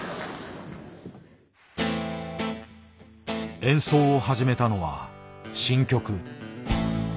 演奏を始めたのは新曲。